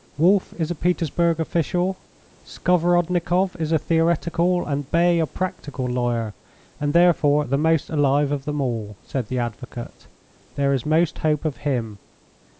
"Wolf is a Petersburg official; Skovorodnikoff is a theoretical, and Bay a practical lawyer, and therefore the most alive of them all," said the advocate. "There is most hope of him.